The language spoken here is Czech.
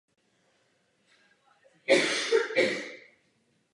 Má velké zkušenosti s působením v mnoha orchestrech na prestižních divadelních scénách.